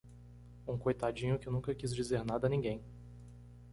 Um coitadinho que nunca quis dizer nada a ninguém!